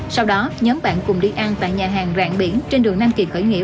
sau đó nhóm bạn cùng đi ăn tại nhà hàng rạng biển trên đường nam kỳ khởi nghĩa